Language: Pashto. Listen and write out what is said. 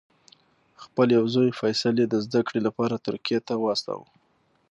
خپل یو زوی فیصل یې د زده کړې لپاره ترکیې ته واستاوه.